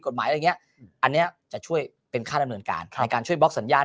กฎหมายอันนี้จะช่วยเป็นค่าดำเนินการในการช่วยบล็อกสัญญาณ